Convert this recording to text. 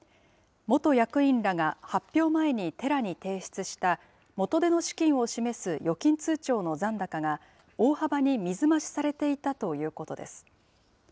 元役員らが、発表前にテラに提出した、元手の資金を示す、預金通帳の残高が大幅に水増しされていたということです。